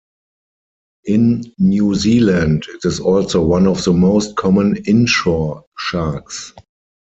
In New Zealand, it is also one of the most common inshore sharks.